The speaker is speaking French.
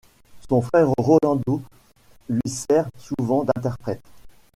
Son frère Rolando lui sert souvent d'interprète.